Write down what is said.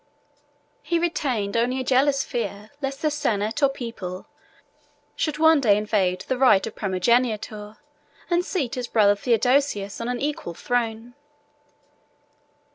He retained only a jealous fear lest the senate or people should one day invade the right of primogeniture, and seat his brother Theodosius on an equal throne.